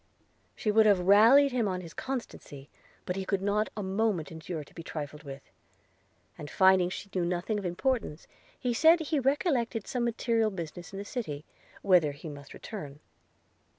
She would have rallied him on his constansy, but he could not a moment endure to be trifled with; and, finding she knew nothing of importance, he said he recollected some material business in the city, whither he must return.